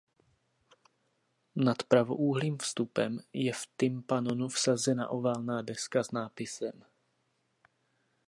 Nad pravoúhlým vstupem je v tympanonu vsazena oválná deska s nápisem.